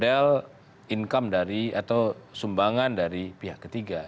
dan yang kedua adalah model income dari atau sumbangan dari pihak ketiga